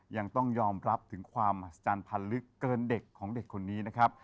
ยังต้องยอมรับถึงความมหัศจรรย์พันธ์ลึกเกินเด็กของเด็กคนนี้นะครับ